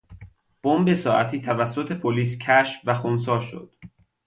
بمب ساعتی توسط پلیس کشف و خنثی شد.